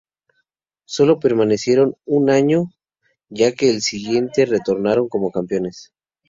Solo permanecieron un año, ya que al siguiente retornaron como campeones.